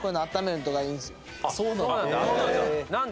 そうなんだ。